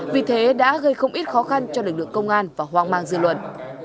vì thế đã gây không ít khó khăn cho lực lượng công an và hoang mang dư luận